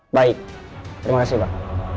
baik terima kasih mbak